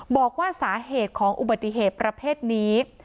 บอกว่าสาเหตุของอุบัติเหตุประเภทนี้